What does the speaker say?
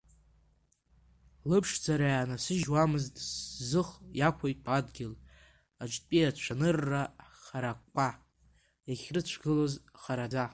Лыԥшӡара ианасыжьуамызт зых иақәиҭу адгьыл аҿтәи ацәанырра ҳаракқәа иахьрыцәгылоз хараӡа.